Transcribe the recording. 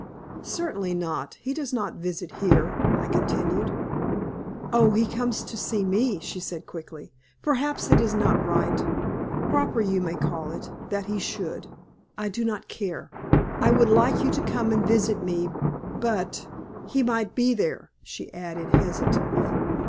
"Certainly not. He does not visit here," I continued. "Oh, he comes to see me," she said, quickly. "Perhaps it is not right proper you call it that he should. I do not care. I would like you to come and visit me but he might be there," she added, hesitatingly.